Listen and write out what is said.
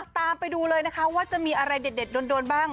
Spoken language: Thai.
ตามไปดูเลยนะคะว่าจะมีอะไรเด็ดโดนบ้าง